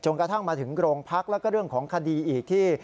กระทั่งมาถึงโรงพักแล้วก็เรื่องของคดีอีกที่